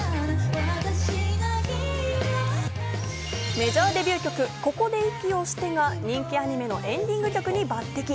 メジャーデビュー曲『ここで息して』が人気アニメのエンディング曲に抜てき。